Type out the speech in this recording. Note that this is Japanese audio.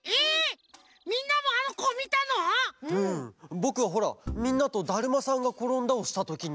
ぼくはほらみんなと「だるまさんがころんだ」をしたときに。